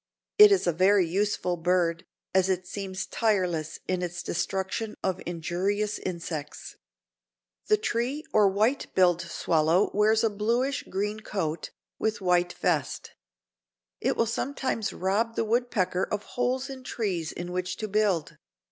It is a very useful bird, as it seems tireless in its destruction of injurious insects. The tree or white billed swallow wears a bluish green coat, with white vest. It will sometimes rob the woodpecker of holes in trees in which to build.